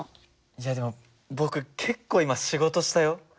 いやでも僕結構今仕事したよ。